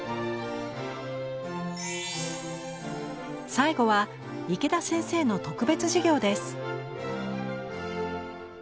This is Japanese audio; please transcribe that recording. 最後は池田先生の特別授業です。